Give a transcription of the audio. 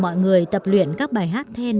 mọi người tập luyện các bài hát then